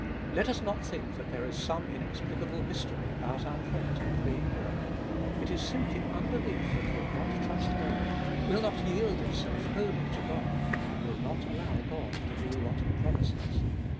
Let us not think that there is some inexplicable mystery about our prayers not being heard; it is simply unbelief that will not trust God, will not yield itself wholly to God, will not allow God to do what He promises.